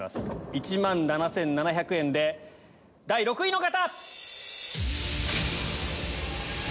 １万７７００円で第６位の方！